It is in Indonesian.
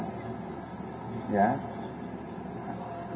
kita menerapkan tbb yang kedua